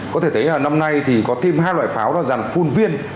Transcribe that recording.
có thể thấy là năm nay thì có thêm hai loại pháo là dàn phun viên